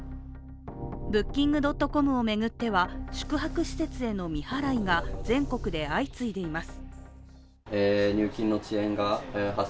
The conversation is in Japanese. ブッキングドットコムを巡っては宿泊施設への未払いが全国で相次いでいます。